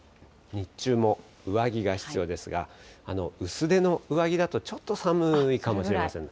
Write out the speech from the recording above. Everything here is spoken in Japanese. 日中も上着が必要ですが、薄手の上着だとちょっと寒いかもしれません。